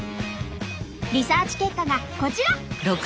リサーチ結果がこちら。